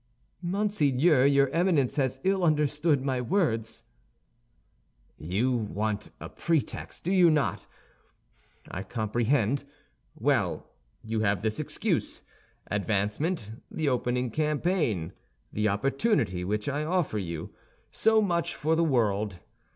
"Monseigneur, your Eminence has ill understood my words." "You want a pretext, do you not? I comprehend. Well, you have this excuse: advancement, the opening campaign, the opportunity which I offer you—so much for the world.